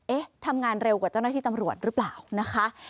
ทำงานเร็วกว่าเจ้าหน้าที่ตำรวจหรือเปล่านะคะ